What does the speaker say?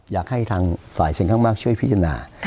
อยากให้ทางฝ่ายเสียงข้างมากช่วยพิจารณา